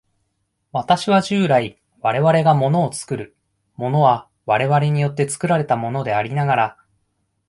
私は従来、我々が物を作る、物は我々によって作られたものでありながら、